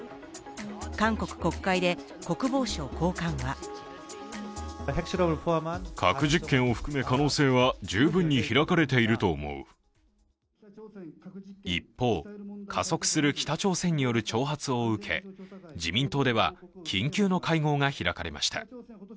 韓国国会で国防省高官は一方、加速する北朝鮮による挑発を受け、自民党では緊急の会合が開かれました。